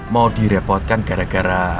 mau direpotkan gara gara